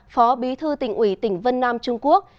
phó bí thư tỉnh ủy tỉnh vân nam trung quốc